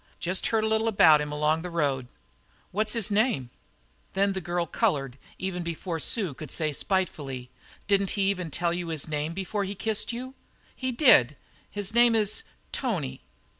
Jest heard a little about him along the road." "What's his name?" Then she coloured, even before Sue could say spitefully: "Didn't he even have to tell you his name before he kissed you?" "He did! His name is Tony!"